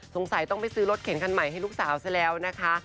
สงสัยต้องไปซื้อรถเข็นคันใหม่ให้ลูกสาวซะแล้วนะคะ